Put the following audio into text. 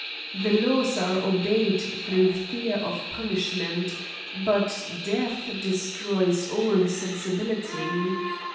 The laws are obeyed through fear of punishment, but death destroys all sensibility.